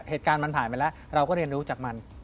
เหตุการณ์มันผ่านไปแล้วเราก็เรียนรู้จากมัน